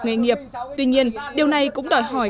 nghề nghiệp tuy nhiên điều này cũng đòi hỏi